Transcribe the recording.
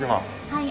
はい。